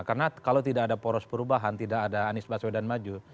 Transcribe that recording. karena kalau tidak ada poros perubahan tidak ada anies baswedan maju